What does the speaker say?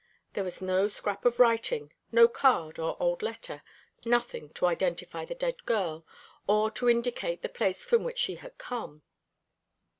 There was no scrap of writing, no card or old letter; nothing to identify the dead girl, or to indicate the place from which she had come.